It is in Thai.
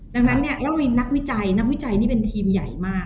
ดังนั้นเนี่ยเรามีนักวิจัยนักวิจัยนี่เป็นทีมใหญ่มาก